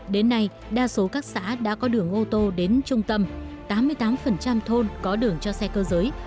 đến nay đa số các xã đã có đường ô tô đến trung tâm tám mươi tám thôn có đường cho xe cơ giới